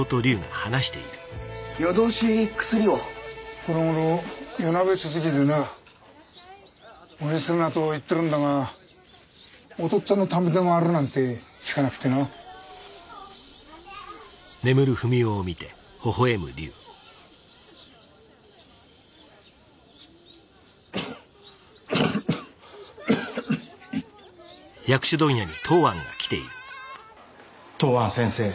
このごろ夜鍋続きでな無理するなと言ってるんだが「おとっつぁんのためでもある」なんて聞かなくてな東庵先生